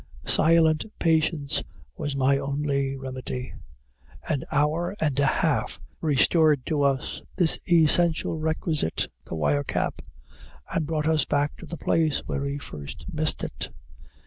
Silent patience was my only remedy. An hour and a half restored to us this essential requisite the wire cap and brought us back to the place where we first missed it.